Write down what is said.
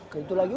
ke itu lagi